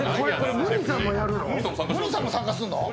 むにさんも参加するの？